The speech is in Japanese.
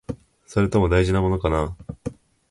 それとも、大事なものかな？